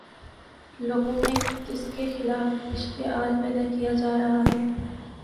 لوگوں میں کس کے خلاف اشتعال پیدا کیا جا رہا ہے؟